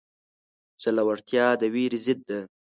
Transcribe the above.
زړورتیا د وېرې ضد ده.